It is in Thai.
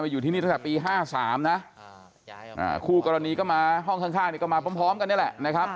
อยู่ที่นี่ตั้งแต่ปี๕๓นะคู่กรณีก็มาห้องข้างก็มาพร้อมกันนี่แหละนะครับ